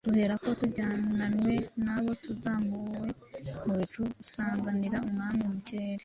duhereko tujyananwe na bo tuzamuwe mu bicu, gusanganira Umwami mu kirere.